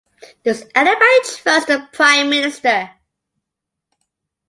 Does anybody trust the Prime Minister?